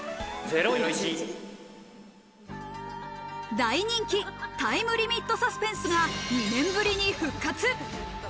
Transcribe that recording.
大人気タイムリミットサスペンスが２年ぶりに復活。